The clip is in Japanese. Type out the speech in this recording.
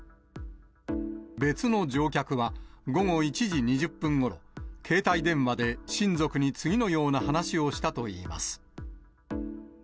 別の乗客は、午後１時２０分ごろ、携帯電話で親族に次のような話をしたといいます。